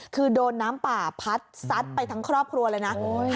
คือโดนน้ำป่าพัดซัดไปทั้งครอบครัวเลยนะ